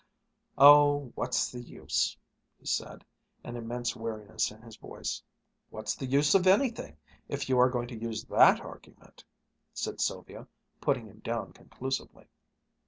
"Oh, what's the use?" he said, an immense weariness in his voice. "What's the use of anything, if you are going to use that argument?" said Sylvia, putting him down conclusively.